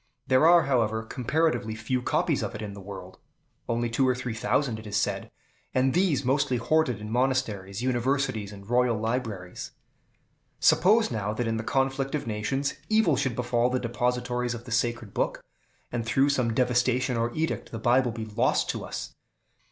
There are, however, comparatively few copies of it in the world, only two or three thousand, it is said, and these mostly hoarded in monasteries, universities, and royal libraries. Suppose now, that in the conflict of nations, evil should befall the depositories of the sacred Book, and, through some devastation or edict, the Bible be lost to us.